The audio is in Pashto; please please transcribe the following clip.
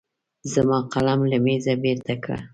زما قلم له مېزه بېرته کړه.